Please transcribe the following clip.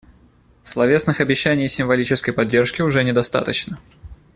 Словесных обещаний и символической поддержки уже недостаточно.